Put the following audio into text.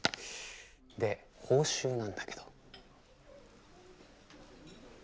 で報酬なんだけど。